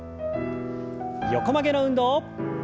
横曲げの運動。